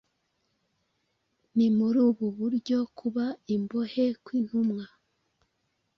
Ni muri ubu buryo kuba imbohe kw’intumwa